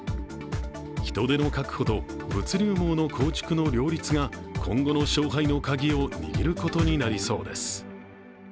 人手の確保と物流網の構築の両立が今後の勝敗のカギを握ることになりそうです。